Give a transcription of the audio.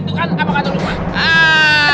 kapan kapan tuh lukman